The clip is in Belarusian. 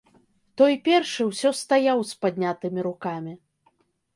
Той, першы, усё стаяў з паднятымі рукамі.